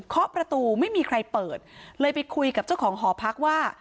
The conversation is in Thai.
ประตูไม่มีใครเปิดเลยไปคุยกับเจ้าของหอพักว่า